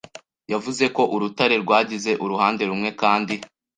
yavuze ko urutare rwagize uruhande rumwe kandi